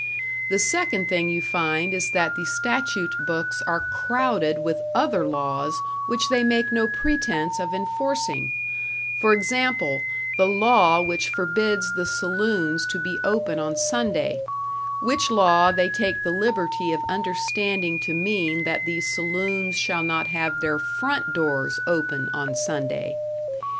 The second thing you find is that the statute books are crowded with other laws which they make no pretense of enforcing; for example, the law which forbids the saloons to be open on Sunday which law they take the liberty of understanding to mean that the saloons shall not have their front doors open on Sunday.